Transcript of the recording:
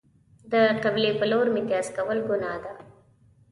د قبلې په لور میتیاز کول گناه ده.